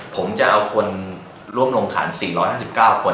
ผมจะเอาคนร่วมลงขัน๔๕๙คน